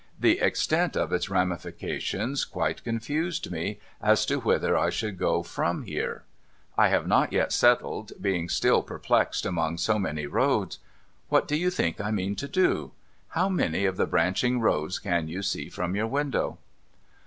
The extent of its ramifications quite confused me as to whither I should go, from here. I have not yet settled, being still perplexed among so many roads. What do you think I mean to do ? How many of the branching roads can you see from your window?'